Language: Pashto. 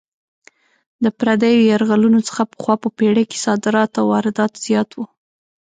د پردیو یرغلونو څخه پخوا په پېړۍ کې صادرات او واردات زیات وو.